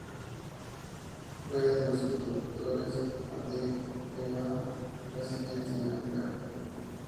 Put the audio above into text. Fue de los introductores de "Hevea brasiliensis" en África.